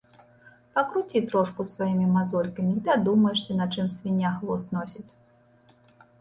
Пакруці трошку сваімі мазолькамі й дадумаешся, на чым свіння хвост носіць.